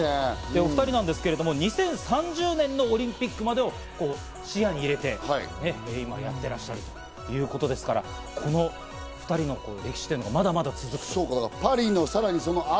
お２人ですけど、２０３０年のオリンピックまでを視野に入れて、今やっていらっしゃるということですから、この２人の歴史というのは、まだまだ続く。